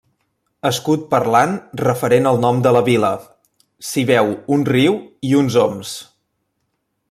Escut parlant referent al nom de la vila: s'hi veu un riu i uns oms.